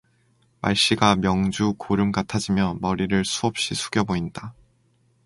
말씨가 명주 고름 같아지며 머리를 수없이 숙여 보인다.